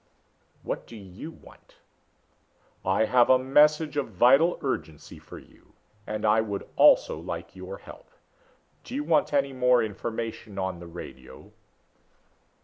"What do you want?" "I have a message of vital urgency for you and I would also like your help. Do you want any more information on the radio?